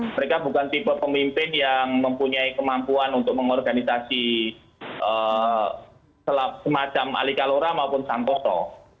mereka bukan tipe pemimpin yang mempunyai kemampuan untuk mengorganisasi semacam ali kalora maupun santoso